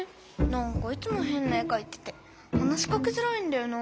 なんかいつもへんな絵かいてて話しかけづらいんだよな。